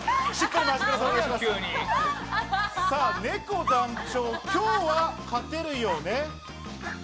ねこ団長、今日は勝てるよね？